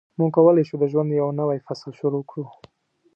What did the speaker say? موږ کولای شو د ژوند یو نوی فصل شروع کړو.